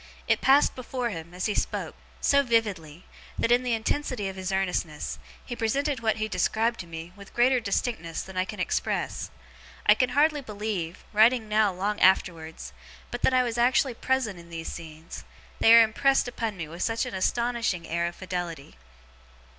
It passed before him, as he spoke, so vividly, that, in the intensity of his earnestness, he presented what he described to me, with greater distinctness than I can express. I can hardly believe, writing now long afterwards, but that I was actually present in these scenes; they are impressed upon me with such an astonishing air of fidelity.